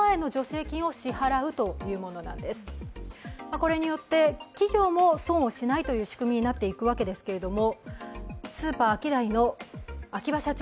これによって企業も損をしないという仕組みになっていくわけですけれども。